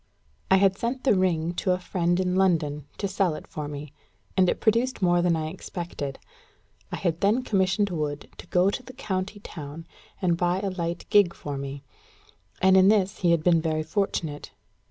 I had sent the ring to a friend in London, to sell it for me; and it produced more than I expected. I had then commissioned Wood to go to the county town and buy a light gig for me; and in this he had been very fortunate.